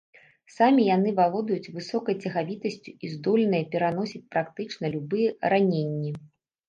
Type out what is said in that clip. Самі яны валодаюць высокай цягавітасцю і здольныя пераносіць практычна любыя раненні.